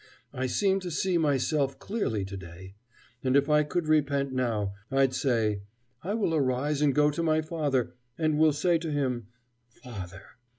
I seem to see myself clearly to day; and if I could repent now, I'd say "I will arise and go to my father, and will say to him 'Father.'"